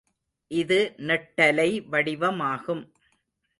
இது நெட்டலை வடிவமாகும்.